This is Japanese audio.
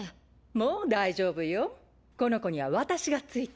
もう大丈夫よこの子には私がついてる。